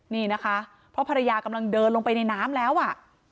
นี่นะคะเพราะภรรยากำลังเดินลงไปในน้ำแล้วอ่ะ